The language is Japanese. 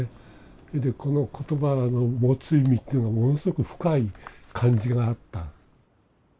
それでこの言葉の持つ意味っていうのはものすごく深い感じがあった。